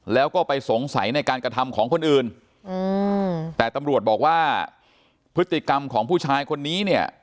แล้วก็ไปสงสัยในการกระทำของคนอื่นอืมแต่ตำรวจบอกว่าพฤติกรรมของผู้ชายคนนี้เนี่ย